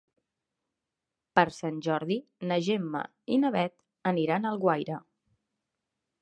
Per Sant Jordi na Gemma i na Bet aniran a Alguaire.